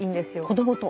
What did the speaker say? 子どもと？